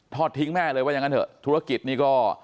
ทิ้งแม่เลยว่าอย่างนั้นเถอะธุรกิจนี่ก็